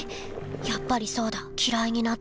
やっぱりそうだきらいになったんだ。